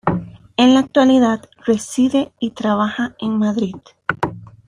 En la actualidad reside y trabaja en Madrid.